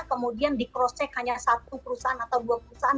kemudian di cross check hanya satu perusahaan atau dua perusahaan